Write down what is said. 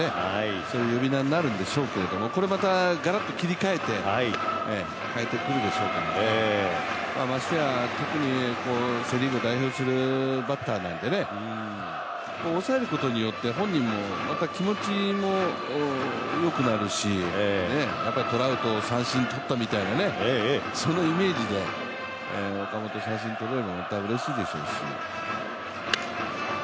そういう呼び名になるんでしょうけどここでガラッと切り替えて変えてくるでしょうけれど、ましてやセ・リーグ代表するバッターなのでね、抑えることによって、本人気持ちもよくなるし、トラウトを三振とったみたいなイメージで岡本を三振取れたらうれしいでしょうし。